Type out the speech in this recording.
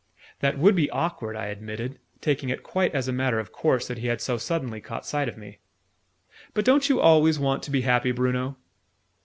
That would be awkward, I admitted, taking it quite as a matter of course that he had so suddenly caught sight of me. "But don't you always want to be happy, Bruno?"